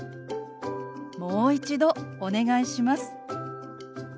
「もう一度お願いします」。